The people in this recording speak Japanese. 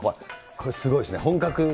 これ、すごいですね。